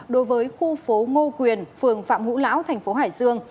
đối với khu phố ngô quyền phường phạm ngũ lão thành phố hải dương